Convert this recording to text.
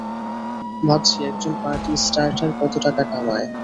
ভাবছি, একজন party starter কত টাকা কামায়।